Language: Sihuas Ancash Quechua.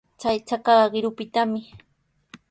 Chay chakaqa qirupitami.